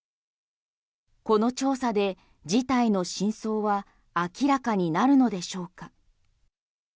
この調査で事態の真相は明らかになるのでしょうか？